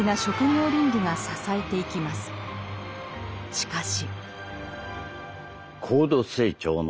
しかし。